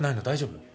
大丈夫？